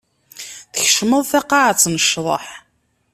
Tkecmeḍ taqaɛet n ccḍeḥ.